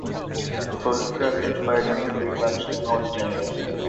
The photograph inspired many free blacks in the North to enlist.